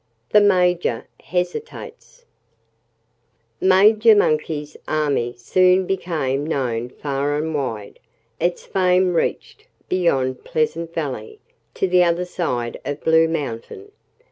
XIII The Major Hesitates Major Monkey's army soon became known far and wide. Its fame reached beyond Pleasant Valley, to the other side of Blue Mountain.